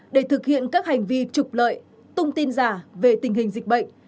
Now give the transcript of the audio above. để thực hiện các hành vi trục lợi tung tin giả về tình hình dịch bệnh